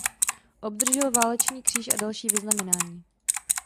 Obdržel Válečný kříž a další vyznamenání.